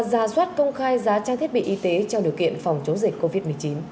ra soát công khai giá trang thiết bị y tế trong điều kiện phòng chống dịch covid một mươi chín